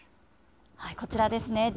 こちらですね。